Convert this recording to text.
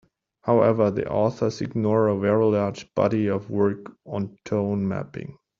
However, the authors ignore a very large body of work on tone mapping.